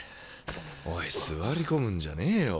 おい座り込むんじゃねえよ。